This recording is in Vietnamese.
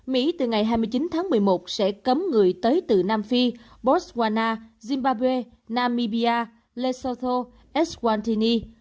mỹ từ ngày hai mươi chín tháng một mươi một sẽ cấm người tới từ nam phi botswana zimbabwe namibia lesotho eswatini